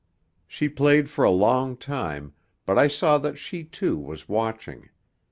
She played for a long time, but I saw that she too was watching.